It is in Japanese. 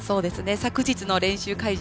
昨日の練習会場